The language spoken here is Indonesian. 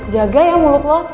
jaga ya mulut lo